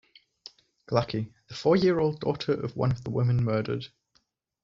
Glaki- The four-year-old daughter of one of the women murdered.